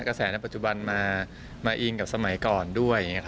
กระแสในปัจจุบันมาอิงกับสมัยก่อนด้วย